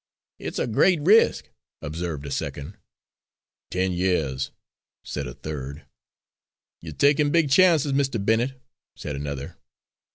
"It's a great risk," observed a second. "Ten yeahs," said a third. "You're takin' big chances, Mr. Bennet," said another.